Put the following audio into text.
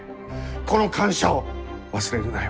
この感謝を忘れるなよ。